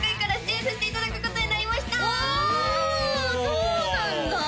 そうなんだおお！